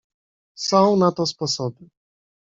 "Są na to sposoby."